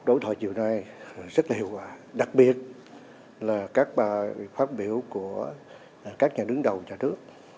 đối thoại chiều nay rất là hiệu quả đặc biệt là các bài phát biểu của các nhà đứng đầu nhà nước